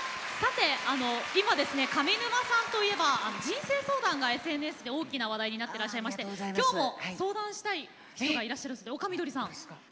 今、上沼さんといえば人生相談がＳＮＳで大きな話題になっていまして今日も相談したい人がいらっしゃるんです。